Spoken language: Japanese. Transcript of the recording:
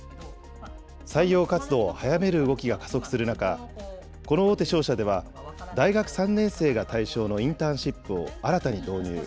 採用活動を早める動きが加速する中、この大手商社では、大学３年生が対象のインターンシップを新たに導入。